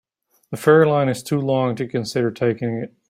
The ferry line is too long to consider taking it.